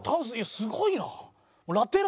すごいな。